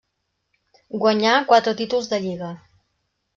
Guanyà quatre títols de lliga.